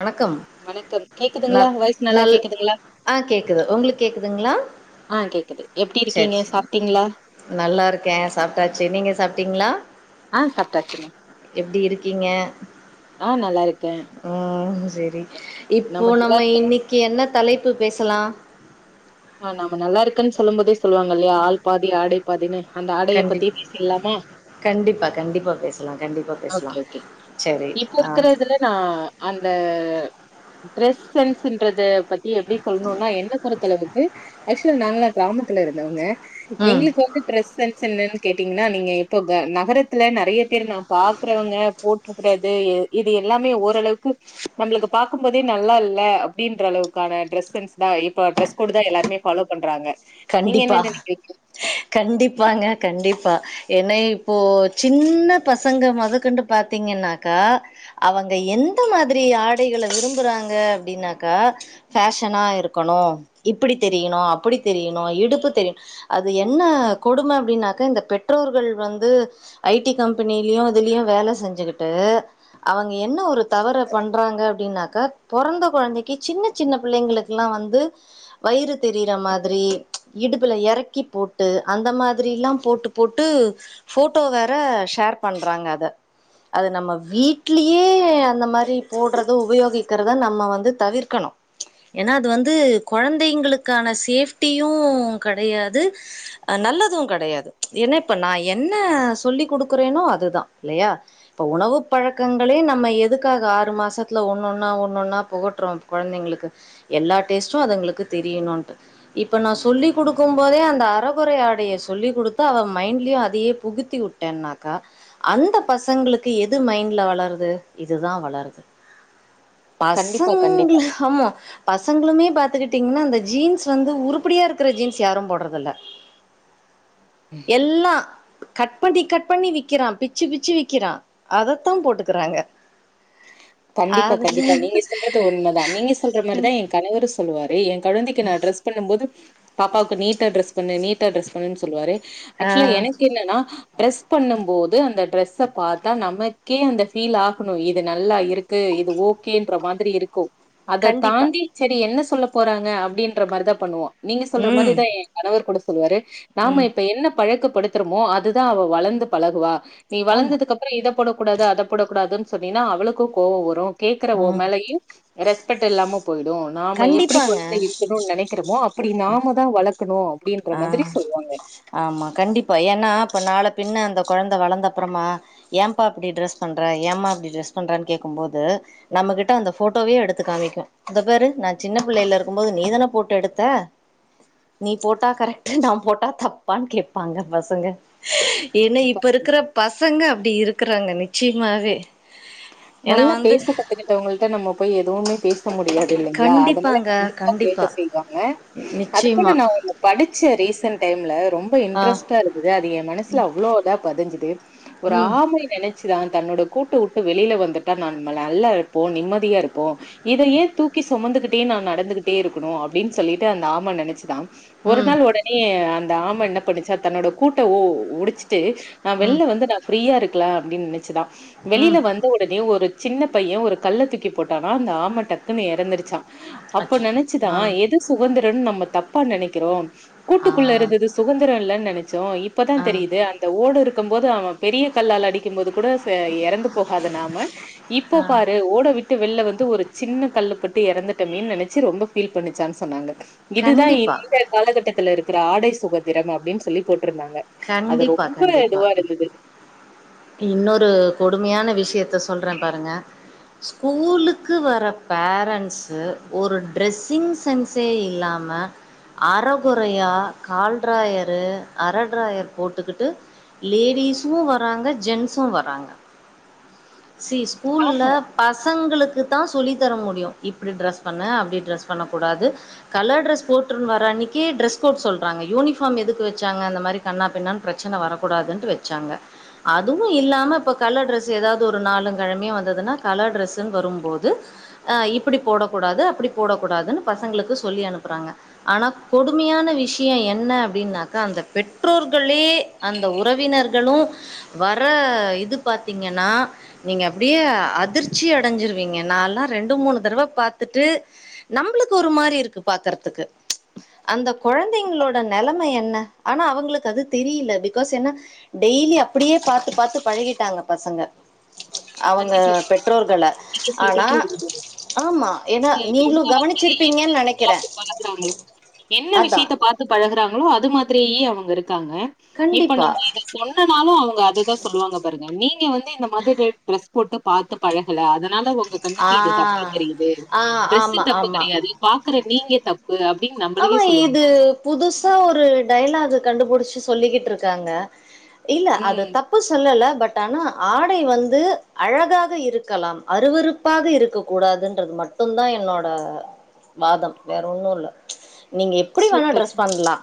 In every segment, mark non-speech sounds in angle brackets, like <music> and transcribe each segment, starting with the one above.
வணக்கம் வணக்கம் கேக்குதுங்களா நல் வாய்ஸ் நல்லா நல் கேக்குதுங்களா ஆ கேக்குது உங்ளுக்கு கேக்குதுங்ளா ஆ கேக்குது எப்டி சரி இருக்கீங்க சரி சாப்ட்டீங்களா நல்லாருக்கே சாப்ட்டாச்சு நீங்க சாப்ட்டீங்ளா ஆ சாப்ட்டாச்சுங்க எப்டி இரு கீங்க ஆ நல்லா இருக்கே ஆ சரி இப்போ நல்லா நம்ம இருக்க இன்னைக்கி என்ன தலைப்பு பேசலா ஆ நாம நல்லாருக்கன் சொல்லும் போதே சொல்லுவாங்க இல்லையா ஆள் பாதி ஆடை பாதினு அந்த ஆடைய கண்டி பத்தியே பேசில்லாமா கண்டிப்பா கண்டிப்பா பேசலா கண்டிப்பா ஓகே பேசலா ஓகே சரி இப்போ ஆ இருக்கற இதுல நா அந்த ட்ரெஸ் சென்ஸ்ன்றது பத்தி எப்டி சொல்ணுனா என்ன பொறுத்தளவு ஆக்சுலா நாங்கலா கிராமத்துல இருந்தவங்க ம் எங்ளுக்கு வந்து ட்ரெஸ் சென்ஸ் என்னன்னு கேட்டீங்னா நீங்க இப்போ ஹ நகரத்துல நறைய பேர் நா பாக்குறவங்க போட்ருக்றது எ இது எல்லாமே ஓரளவுக்கு நம்ளுக்கு பாக்கும் போதே நல்லால்ல அப்டின்ற அளவுக்கான டிரெஸ் சென்ஸ் தா இப்ப டிரஸ் கோடு தா எல்லாருமே ஃபாலோ பண்றாங்க என்ன கண்டிப்பா நெனைக்கிறீங்க? கண்டிப்பாங்க கண்டிப்பா என்ன இப்போ சின்ன பசங்க மொதக்கொண்டு பாத்தீங்கன்னாக்கா அவங்க எந்த மாதிரி ஆடைகள விரும்புறாங்க அப்டினாக்கா ஃபேஷனா இருக்கணு இப்புடி தெரியணு அப்புடி தெரியணு இடுப்பு தெரி <unintelligible> அது என்ன கொடும அப்டின்னாக்க இந்த பெற்றோர்கள் வந்து ஐடி கம்பெனிலியோ இதுலியோ வேல செஞ்சுகிட்டு அவங்க என்ன ஒரு தவற பண்றாங்க அப்டின்னாக்கா பொறந்த கொழந்தைக்கு சின்ன சின்ன பிள்ளைங்களுக்கெல்லா வந்து வயிறு தெரிற மாரி திரி இடுப்புல எறக்கி போட்டு அந்த மாதிரில்லா போட்டு போட்டு ஃபோட்டோ வேற ஷேர் பண்றாங்க அத அது நம்ம வீட்லியே அந்த மாரி போட்றது உபயோகிக்றத நம்ம வந்து தவிர்க்கணு ஏனா அது வந்து கொழந்தைங்களுக்கான சேஃப் ட்டியு கடையாது அ நல்லது கடையாது ஏனா இப்ப நா என்ன சொல்லி குடுக்குறேனோ அதுதா இல்லயா இப்ப உணவு பழக்கங்களே நம்ம எதுக்காக ஆறு மாசத்துல ஒன்னொன்னா ஒன்னொன்னா புகட்றோ கொழந்தைங்களுக்கு எல்லா டேஸ்ட்டு அதுங்களுக்கு தெரியணுன்ட்டு இப்ப நா சொல்லி குடுக்கும்போதே அந்த அர கொறை ஆடைய சொல்லி குடுத்து அவ மைண்ட்லியு அதே புகுத்தி வுட்டனாக்கா அந்த பசங்களுக்கு எது மைண்ட்ல வளருது இதுதா வளருது கண்டிப்பா பசங் கண்டிப்பா. குள ஆமா பசங்ளுமே பாத்துக்கிட்டிங்னா அந்த ஜீன்ஸ் வந்து உருப்படியா இருக்கிற ஜீன்ஸ் யாரும் போடுறது இல்லை எல்லாம் கட் பண்ணி கட் பண்ணி விக்கிறான் பிச்சு பிச்சு விக்கிறான் அதைத்தான் போட்டுக்கறாங்க கண்டிப்பா அதுல கண்டிப்பா நீங்க சொல்றது உண்மைதான் நீங்க சொல்ற மாதிரிதான் என் கணவரும் சொ சொல்லுவாரே என் குழந்தைக்கு நான் டிரெஸ் பண்ணும் போது பாப்பாவுக்கு நீட்டா டிரஸ் பண்ணு நீட்டா டிரஸ் பண்ணுனு சொல்லுவாரு ஆ ஆக்சுவலா எனக்கு என்னன்னா ட்ரெஸ் பண்ணும் போது அந்த டிரெஸ்ஸ பார்த்தா நமக்கே அந்த ஃபீல் ஆகணும் இது நல்லா இருக் கு இது ஓகேன்ற மாதிரி இருக் கும் அதை கண்டிப்பா தாண்டி சரி என்ன சொல்லப் போறாங்க அப்படின்ற மாதிரிதான் பண்ணுவோம் நீங்க சொல்ற ம் மாதிரிதான் என் கணவர் கூட சொல் சொல்லுவாரு நாம ம் இப்ப என்னப் பழக்கப்படுத்துறோமோ அதுதான் அவ வளர்ந்து பழகுவா நீ ஆமா வளந்ததுக்கப்புறம் இதை போடக் கூடாது அதை போடக் கூடாதுனு சொன்னீன்னா அவளுக்கும் கோவம் வரும் கேக்குற ஓன் ம் மேலையும் ரெஸ்ட் பெக்ட் இல்லாமோ போயிடும் நாம எப்படி கண்டிப்பாங்க குழந்தை இருக்கணும்னு நினைக்கிறோமோ அப்ப அப்படி நாம தான் வளர்த் இருக்கணும் அப்படி இருக்கிற மாதிரி ஆ சொல்லுவாங்க ஆமா கண்டிப்பா ஏன்னா இப்ப நாளை பின்ன அந்த குழந்தை வளர்ந்த அப்புறமா ஏப்பா இப்படி டிரெஸ் பண்ற ஏம்மா இப்படி டிரஸ் பண்றனு கேக்கும்போது நம்மகிட்ட அந்த போட்டோவையே எடுத்து காமிக்கும் இந்த பாரு நான் சின்ன புள்ளையில இருக்கும்போது நீதானே போட்டோ எடுத்த நீ போட்டா கரெக்ட்டு நான் போட்டா தப்பான்னு கேட்பாங்க பசங்க ஏன்னா இப்ப இருக்குற பச பசங்க அப்டி இருக்குறாங்க நிச்சயமாவே ஏன்னா நல்லா வந்து பேச கத்துக்கிட்டவங்கள்ட்ட நம்ம போய் எதுவுமே பேச முடியாது இல்லைங்களா அதனால கண்டிப்பா பேச செய்வாங்க அது கூட நிச்சயமா. நான் ஒண்ணு படிச்ச ரீசன்ட் டைம்ல ரொம் ரொம்ப ஆ. இன்ட்ரஸ்டா இருக்குது அது ஏ மனசுல அவ்ளோ இதா பதிஞ்சுது ஒரு ம். ஆமை நெனைச்சுதா தன்னோட கூட்டு வுட்டு வெளில வந்து வந்துடா நம்ம நல்லா இருப்போம் நிம்மதியா இருப்போம் இதையே தூக்கி சுமந்துகிட்டே நான் நடந்துகிட்டே இருக்கணும் அப்படின்னு சொல்லிட்டு அந்த ஆம நினைச்சுதான் ஒரு ம். நாள் ஒடனே அந் அந்த ஆம என்ன பண்ணிச்சா தன்னோட கூட்ட ஓ உடச் ட்டு நான் ம். வெளியில வந்து நான் ஃப்ரீயா இருக் இருக்கலா அப்டின்னு நினச்சுதான் ம். வெளியில வந்த உட ஒரு சின்ன பையன் ஒரு கல்ல தூக்கி போட்டானா அந்த ஆமெ டக்குன்னு இறந்திருச்சான் அப்ப அச்சச்சோ! ஆ. நினைச்சுதான் எது சுதந்திரம்னு நம்ம தப் தப்பா நெனைக்கிறோம் ஆ. கூட்டுக்குள்ள இருந்தது சுதந்திரம் இல்லேன்னு நெனச்சோம் ஆ. இப்பதான் தெரியுது அந்த ஓடு இருக்கு இருக்கும் போது அவன் பெரிய கல்லால அடிக்கும் போது கூட எறந்து போகாது நான் நம்ம இப்போ ஆ. பாரு ஓடெ விட்டு வெளில வந்து ஒரு சின்ன கல்லுக் பட்டு இறந்துட்டோமேன்னு நினச்சு ரொம்ப ஃபீல் பண்ணிச்சான்னு சொன்னாங்க இதுதான் கண்டிப்பா. இந்த காலகட்டத்துல இருக்கு ஆடை சுகந்திரம் அப்புடின்னு சொல்லி போட் போட்டு இருந்தாங்க அது கண்டிப்பா, ரொம்ப கண்டிப்பா. இதுவா இருந்தது இன்னொரு கொடுமையான விஷயத்த சொல்றேன் பாருங்க ஸ்கூலுக்கு வர பேரண்ட்சு ஒரு ட்ரெஸ்ஸிங் சென்சே இல்லாம அறகொறையா கால் ட்ராயரு அரட்ராயர் போட்டுக்கிட்டு லேடிசும் வர்றாங்க ஜென்சும் வர்றாங்க சி ஸ்கூல்ல ஆமா. பசங்களுக்கு இது தான் சொல்லித்த தர முடியும் இப்டி ட்ரெஸ் பண்ணு அப்டி ட்ரெஸ் பண்ணக்கூடாது கலர் ட்ரெஸ் போட்டுன்னு வர அன்னிக்கு ட்ரெஸ் கோட் சொல்றாங்க யூனிஃபார்ம் எதுக்கு வச்சாங்க அந்த மாரி கன்னா பின்னான்னு பிரச்சன வரக்கூடாதுன்ட்டு வச்சாங்க அதுவும் இல்லாம இப்போ கலர் ட்ரெஸ் ஏதாவது ஒரு நாளும் கிழமையும் வந்ததுன்னா கலர் ட்ரெஸ்ஸுன்னு வரும்போது அ இப்புடி போடக்கூடாது அப்புடி போடக்கூடாதுன்னு பசங்களுக்கு சொல்லி அனுப்புறாங்க ஆனா கொடுமையான விஷயம் என்ன அப்புடின்னாக்கா அந்த பெற்றோர்களே அந்த உறவினர்களும் வர இது பாத்தீங்கன்னா நீங்க அப்படியே அதிர்ச்சி அடைஞ்சிருவீங்க நானெல்லாம் ரெண்டு மூணு தடவை பாத்துட்டு நம்மளுக்கு ஒரு மாரி இருக்கு பாக்குறதுக்கு அந்த குழந்தைங்களோட நெலமை என்ன ஆனா அவங்களுக்கு அது தெரியில பிகாஸ் என்னா டெய்லி இப்படியே பாத்து பாத்து பழகிட்டாங்க பசங்க அவங்க கண்டிப்பா கண்டிப்பா பெற்றோர்கள. நீங்க ஆனா சொல்றது உண்மை ஆமா. ஏன்னா நீங்களும் அந்த கவனிச்சிருப்பீங்கன்னு என்னத்த நெனைக்கிறேன். பாத்து பழகுறாங்களோ என்ன அதான். விஷயத்த பார்த்து பழகுறாங்களோ அது மாதிரியே அவங்க இருக்காங்க இப்ப கண்டிப்பா நம்ம இத சொன்னனாலும் அவுங்க அதுதான் சொல்லுவாங்க பாருங்க நீங்க வந்து இந்த மது டேட் ட்ரெஸ் போட்டு பார்த்து பழகல அத அதனால உங்க ஆ கண்ணுக்கு இது தப்பா தெரியுது ஆ ட்ரெஸ்சு ஆமா தப்பு ஆமா கிடையாது பாக்குற நீங்க தப்பு அப்டின்னு ஆமா நம்மளயே சொல்லுவாங்க இது புதுசா ஒரு டையலாக் கண்டுபிடிச்சு சொல்லிக்கிட்ருக்காங்க இல்ல அது ம் தப்பு சொல்லல பட் ஆனா ஆடை வந்து அழகாக இருக்கலா அருவறுப்பாக இருக்க கூடாதுன்றது மட்டுந்தா என்னோட வாதம் வேற ஒன்னு இல்ல நீங்க எப்டி வேணா சூப்பர் ட்ரெஸ் பண்லா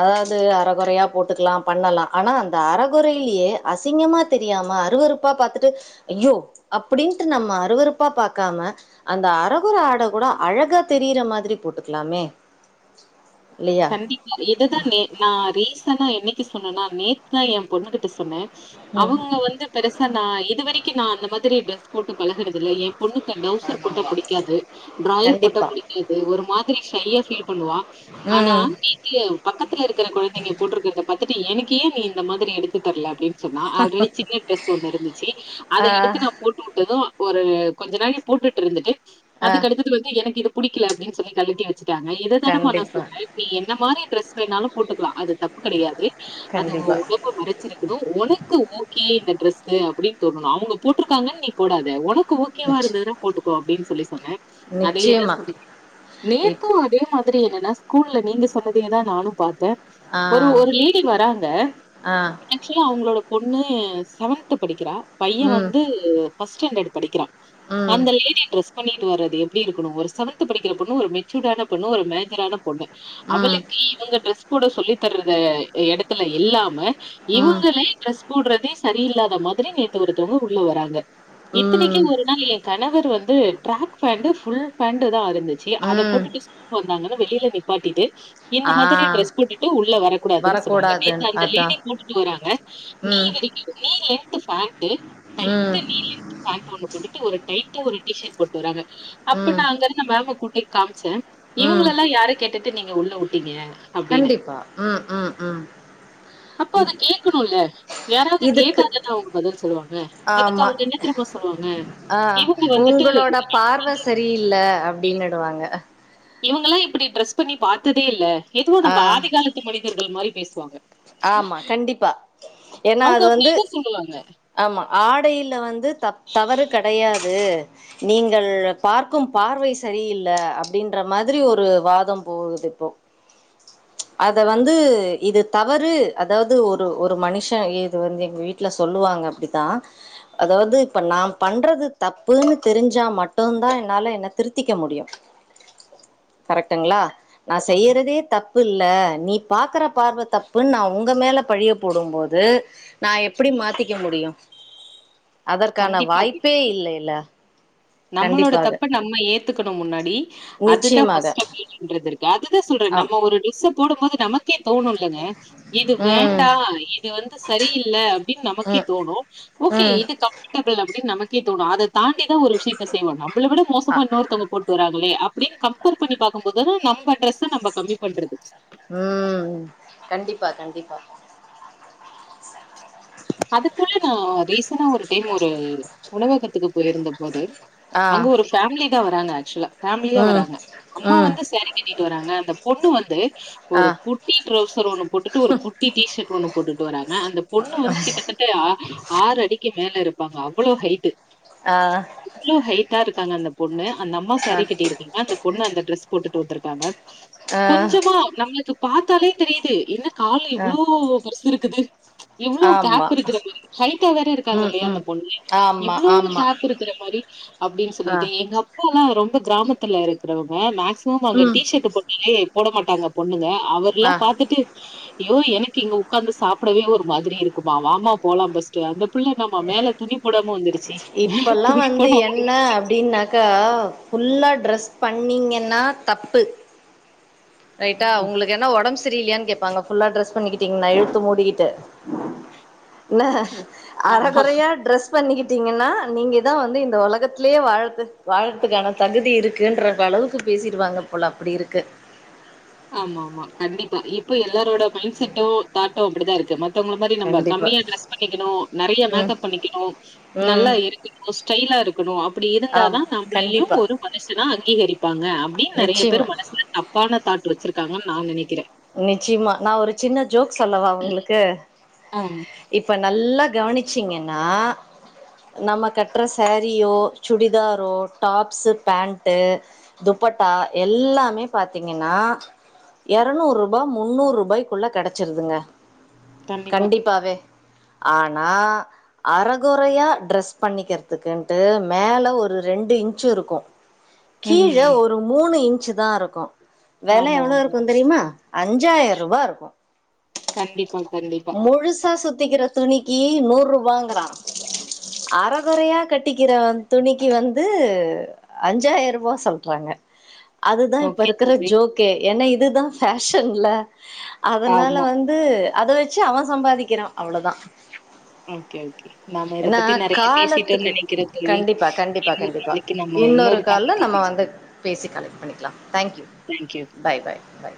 அதாது அறகொறையா போட்டுக்லா பண்ணலா ஆனா அந்த அறகொறைலியே அசிங்கமா தெரியாம அருவறுப்பா பாத்துட்டு ஐயோ அப்டின்ட்டு நம்ம அருவறுப்பா பாக்காம அந்த அறகொறை ஆடை கூட அழகா தெரியிற மாதுரி போட்டுக்லாமே கண்டிப்பா இதுதா நே நா ரீசனா என்னே டி சொன்னனா நேத்து தா ஏ பொண்ணுகிட்ட சொன்ன ம் அவுங்க வந்து பெருசா நா இதுவரி கி நா அந்த மாதிரி டிரஸ் போட்டு பழகுனது இல்ல எ பொண்ணுக்கு டவுசர் போட்டா புடிக்காது டிராயர் போட்டா கண்டிப்பா புடிக்காது ஒரு மாதிரி ஷையா ஃபீல் பண்ணுவா ஆனா ம் <unintelligible> பக்கத் துல இருக்குற குழந்தைங்க போட்டுருக்கிறத பாத் ட்டு எனக்கு ஏ நீ இந்த மாதிரி எடுத்து தரல அப்டின் சொன்னா ஆல்ரெடி சின்ன டிரெஸ் ஒன்னு இருந்துச்சு அத ஆ எடுத்து நா போட்டு உட்டது ஒரு கொஞ்ச நாழி போட்டுட்டு இருந்துட்டு ஆ அதுக்கு அடுத்தது வந்து எனக்கு இதுப் புடிக்கல அப்டின்னு சொல்லி கழட்டி வச் காங்க இதுதான மனசு கண்டிப்பா நீ என்ன மாரி டிரெஸ் வேணாலு போட்டுக்கலா அது தப்பு கடையாது அது உ கண்டிப்பா உடம்ப மறச்சிருக்கனு ஒனக்கு ஓகே டிரஸ்சு அப்டின்னு தோணனு அவங்க போட்டருக்காங்கன்னு நீ போடாத உனக் கு ஓகேவா நிச் இருந்துதுனா போட்டுக் கோ அப்டின் சொல்லி சொன்னே அதயேதா நிச்சயமா சொல்லி இப் நேத்து அதே மாதி திரி என்னனா கூல்ல நீங்க சொன்னதேதா நானு பாத் தே ஆ ஒரு ஒரு லேடி வராங்க ஆ ஆக்சுவலா அவுங்களோட பொண்ணு செவன்த் படிக்கிறா பைய ம் வந்து ஃபஸ்டான்டடு படிக்கிறா ம் அந்த லேடி ட்ரெஸ் பண்ணிட்டு வர்றது எப்டி இருக்கனு ஒரு செவன்த் படிக்கிற பொண்ணு ஒரு மெச்சூர்டான பொண்ணு ஒரு மேஜரான பொண்ணு ம் அவளுக்கு இவுங்க ட்ரெஸ் கூட சொல்லி தர்றது எடத்துல இல்லாம ம் இவுங்களே டிரஸ் போடறதே சரியில்லாத மாதிரி நேத்து ஒருத்தவுங்க உள்ள வராங்க இத்தனக்கி ம் ஒரு நாள் எ கணவர் வந் வந்து டிராக் பேண்ட் ஃபுல் பேண்ட் தா அது ந்துச்சி அத ம் போட்டுட்டு ஸ்கூல் வந்தாங்கன்னு வெளில நிப்பாட்டிட்டு இந்த ஆ மாதிரி ட்ரெஸ் போட்டுட்டு உள்ள வரக்கூடாதுன்னு சொன்னாங்க வரக்கூடாதுன் நேத்து அந்த அதா லேடி போட்டுட்டு வராங்க ம் <unintelligible> பேண்ட்டு ம் டைட்டா <unintelligible> பேண்ட் ஒன்னு போட்டுட்டு ஒரு டைட்டா ஒரு டி ஷர்ட் போட்டு வராங்க அப்ப ம் நா அங்க இருந்த மேம கூப் ஏ கான்சர் ம் இவுங்களலா யாரு கேட்டு நீங்க உள்ளவுட்டீங்க அப்டின்னு கண்டிப்பா ம் ம் ம் அப்ப அது இத் கேக்குனுல யாராவது இதுக்கு கேட்டாதானே அவுங்க பதில் சொல்லுவாங்க அதுக்கு ஆமா அவுங்க என்ன தெரிமா சொன்னாங்க ஆ கேவ்ளோ வந்துட்டு <inaudible> உங்களோட பார்வ சரியில்ல அப்டின்னுடுவாங்க இவுங்கல்லா இப்டி ட்ரெஸ் பண்ணி பாத்ததே இல்ல எதுவோ ஆ நம்ப ஆதிகாலத்து மனிதர்கள் மாரி பேசுவாங்க ஆமா கண்டிப்பா ஏன்னா அவங்க அது அப்டி வந்து எது சொல்லுவாங்க ஆமா ஆடைல வந்து தப் தவறு கெடையாது நீங்கள் பார்க்கும் பார்வை சரியில்ல அப்டின்ற மாதிரி ஒரு வாதம் போகுது இப்போ ம்ச் அத வந்து இது தவறு அதாது ஒரு ஒரு மனிஷே இது வந்து எங்க வீட்ல சொல்லுவாங்க அப்டித்தா அதாது இப்ப நா பண்றது தப்புன்னு தெரிஞ்சா மட்டுதா என்னால என்ன திருத்திக்க முடியு கரெக்டுங்ளா நா ஆமா செய்யறதே தப்பு இல்ல நீ பாக்ற பார்வ தப் தப்புன்னு நா ஒங்க மேல பழிய போடும்போது நா எப்டி மாத்திக்க முடியு அதற்கான வாய்ப்பே இல்லைல நம்ளோட தப்ப நம்ப ஏத்துக்கனு முன்னாடி அதுதா நிச்சயமாக ஃபர்ஸ்ட்டு <inaudible> இருக்கு அதுதா சொல்றே ஆம் நம்ப ஒரு ட்ரெஸ்ஸ போடும் போது நமக் நமக்கே தோனு இல்லங்க இது ம் வேண்டா இது வந்து சரியில்ல அப்டின்னு நமக்கே ம் தோனு ஓகே ம் இது <inaudible> அப்டின்னு நமக் கே தோனு அத தாண்டி தா ஒரு விஷயோ இத செய்வோம் நம் இவள விட அ மோசமா இன்னொருத்தவங்க போட்டு வராங்க அப்டியே கம்பேர் பண்ணி பாக்கும் போது நம்ப ட்ரெஸ்ஸு நம்ப கம்மி பண்றது ம் கண்டிப்பா கண்டிப்பா அது போல நா ரீசண்டா ஒரு டைம் ஒரு உணவகத்துக்கு பொயிருந்த போது ஆ அங்க ஒரு ஃபேமிலி தா ஆக்சுலா ஃபேமிலியா ம் வராங்க அம்மா ம் வந்து சேரி கட்டிட்டு வராங்க அந்த பொண்ணு வந்து ஆ ஒரு குட்டி ட்ரௌசர் ஒன்னு போட்டுட்டு ஒரு குட்டி டீஷர்ட் ஒன்னு போட்டுட்டு வராங்க அந்த பொண்ணு வந்து ஆறு அடிக்கு மேல இருப்பாங்க அவ்ளோ ஹைட்டு ஆ தா இருக்காங்க அந்த பொண்ணு அந்த அம்மா அ சேரீ கட்டிருக்குள அந்த பொண்ணு அந்த ட்ரெஸ் போட்டு <unintelligible> ஆ கொஞ்சமா நம்லுக்கு. பாத்தாலே தெரியுது என்ன கால அ எவ்ளோ பெருசுன்னு குது இவ்ளோ ஆமா கேப் இருக்குற மாரி ஹைட்ட வேற இருக்காங்க ம் இல்லையா அந்த ம் பொண்ணு ஆமா இவ்ளோ ஆமா கேப் இருக்குற மாரி அப்டின் ஆ சொல்லிட்டு எங்க அப் அப்பலா ரொம்ப கிராமத்துல இருக்குறவங்க மேக் ஸிமம் அங்க ம் டி ஷர்ட் போட்டாலே போட மாட்டாங்க பொண்ணுங்க அவர்லா ஆ பாத்துட்டு ஐயோ எனக்கு இங்க உக்காந்து சாப்புடவே ஒரு மாதிரி இருக் க்குமா வாமா போலா ஃபஸ்ட் அந்த புள்ள என்ன மா மேல துணி போடாம வந்துருச்சி மேல இப்பல்லா துணி வந்து போடாம என்ன வந்ருச்சி அப்டின்னாக்கா ஃபுல்லா ட்ரெஸ் பண்ணிங்கன்னா தப்பு ரைட்டா ம். உங்களுக்கு என்ன ஒடம் ச செரி இல்லையான் கேப்பாங்க ஃபுல்லா டிரெஸ் பண்ணிக் கிட்டீங்கன்னா இழுத்து மூடிகிட்டு நா அர ஆமா. கொறையா டிரஸ் பண்ணிக்கிட்டீங்கன்னா நீங்க தா வந்து இந்த உலகத்திலேயே வாழத் வாழறதுக்கான தகுதி இருக்குன்ற அளவுக்கு பேசிடுவாங்க போல அப்டி இருக்கு. ஆமா ஆமா கண்டிப்பா இப் ப்ப எல்லாரோட மைண்ட் செட்டோ தாட்டோ அப்டிதா இருக்கு. மத்தவங்கள மாரி நம்ம கண்டிப்பா கம்மியா டிரஸ் பண்ணிக்கனு நறைய ம் மேக்கப் பண்ணிக்கனு நல்லா ம் இருக்கனு ஸ்டைலா இருக்கனு அப்படி இருந்த தா ஆம் நம்மளையு கண்டிப்பா ஒரு மனுஷனா இரு ப்பாங்க அப்டின்‌ நெறைய பேர் நிச்சயமா மனசுல தப்பான தாட்டு வெச்ருக்காங்கன்னு நா நெனை நிச்சிமா நா ஒரு சின்ன ஜோக் சொல்லவா உங்ளுக்கு. ஆஹ் நல்லா கவனிச்சீங்கன்னா நம்ம கட்டுற சாரீயோ சுடிதாரோ டாப்ஸ் பேண்ட்டு துப்பட்டா எல்லாமே பாத்தீங்கனா எல் இர்நூறுபா முந்நூறு ரூபாய்குள்ள கெடச்சிருதுங்க. கண்டிப்பா. கண்டிபாவே. ஆனா அரக்குறையா ட்ரெஸ் பண்ணிகறதுகுன்ட்டு மேல ஒரு ரெண்டு இன்ச்சி இருக்கு. கீழே ம், ஒரு மூணு இன். ச்சிதா இருக்கோ. வெல ஆமா, எவ்ளோ ஆமா. இருகுங் னா அஞ்சாய்ருபா இருக்கு கண்டிப்பா, கண்டிப்பா. முழுஸ் ஷா சுத்திக்கிற துணிக்கி நூறு ரூபாங்கறா அறகுறயா கட்டிக்கிற துணிக்கு வந்து அஞ்சாய்ருபா ‌சொல்றாங்க அதுதா இப்ப ஓகே இருக்கற தோழி. ஜோக்கே ஏனா இத் இதுதா ஃபேஷன்ல அதனால ஆமா. வந்து அத வெச்சு அவன் சம்பாதிக்கிறா அவ்ளொதா ஓகே, ஓகே. நாம இத ஏனா பத்தி நெறைய பேசிட்டோம்னு காலத்துக்கு நெனைக்கிறேன் தோழி. கண்டிப்பா கண்டிப்பா இன்னொரு கண்டிப்பா நாளைக்கு நம்ம இன்னொரு கால்ல டாபிக்ல நம்ம வந்து பேசுவோம். பேசி கலெக்ட் பண்ணிக்லா thank you thank you. Bye bye bye